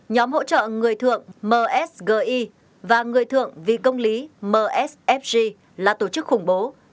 nhóm hỗ trợ người thượng msgi và người thượng vì công lý msfg là tổ chức khủng bố